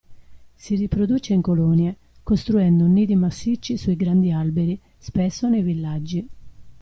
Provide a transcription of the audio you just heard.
Si riproduce in colonie, costruendo nidi massicci sui grandi alberi, spesso nei villaggi.